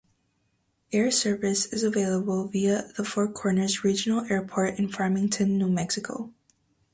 Air service is available via the Four Corners Regional Airport in Farmington, New Mexico.